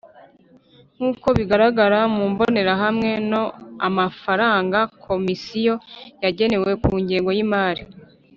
Nk uko bigaragara mu mbonerahamwe no amafaranga komisiyo yagenewe ku ngengo y imari